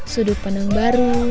sudut pandang baru